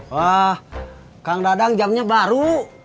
wah kang dadang jamnya baru